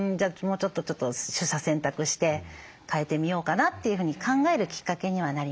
もうちょっと取捨選択して変えてみようかなというふうに考えるきっかけにはなりますね。